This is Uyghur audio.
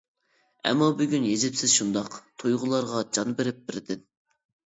ئەمما بۈگۈن يېزىپسىز شۇنداق، تۇيغۇلارغا جان بېرىپ بىردىن.